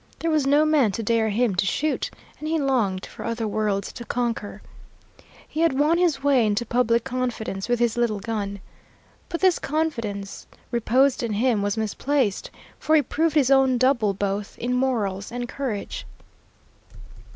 There was no man to dare him to shoot, and he longed for other worlds to conquer. He had won his way into public confidence with his little gun. But this confidence reposed in him was misplaced, for he proved his own double both in morals and courage.